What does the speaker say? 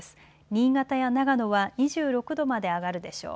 新潟や長野は２６度まで上がるでしょう。